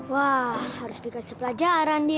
wah harus dikasih pelajaran nih